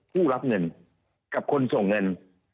ผู้รับเงินกับคนส่งเงิน